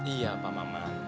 iya pak maman